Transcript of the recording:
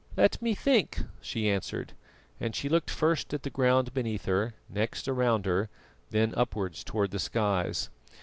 "Let me think," she answered, and she looked first at the ground beneath her, next around her, then upwards toward the skies.